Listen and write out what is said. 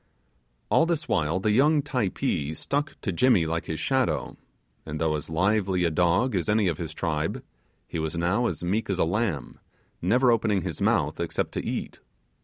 All this while the young Typee stuck to Jimmy like his shadow, and though as lively a dog as any of his tribe, he was now as meek as a lamb, never opening his mouth except to eat.